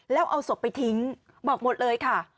แล้วเอาศพไปทิ้งบอกหมดเลยค่ะ